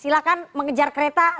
silakan mengejar kereta